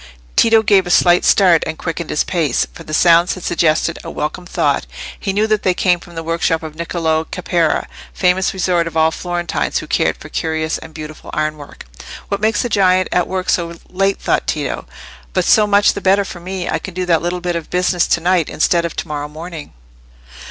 Tito gave a slight start and quickened his pace, for the sounds had suggested a welcome thought. He knew that they came from the workshop of Niccolò Caparra, famous resort of all Florentines who cared for curious and beautiful iron work. "What makes the giant at work so late?" thought Tito. "But so much the better for me. I can do that little bit of business to night instead of to morrow morning."